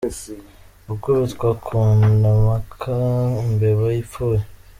Gukubitwa ku nda mpaka imbeba ipfuye.